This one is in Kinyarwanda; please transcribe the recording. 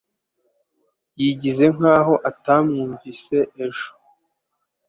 Yigize nkaho atamwumvise ejo